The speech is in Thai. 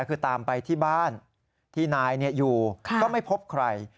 คือตามไปที่บ้านที่นายอยู่ก็ไม่พบใคร